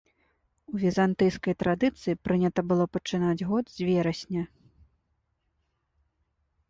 У візантыйскай традыцыі прынята было пачынаць год з верасня.